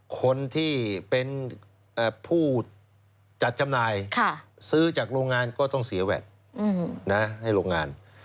คนที่เป็นผู้จัดจำหน่ายซื้อจากโรงงานก็ต้องเสียแวดให้โรงงาน